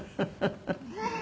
フフフフ！